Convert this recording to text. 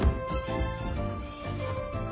おじいちゃん。